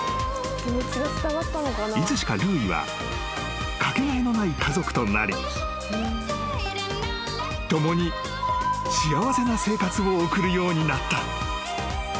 ［いつしかルーイはかけがえのない家族となり共に幸せな生活を送るようになった］